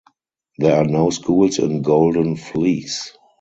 There are no schools in Golden Fleece.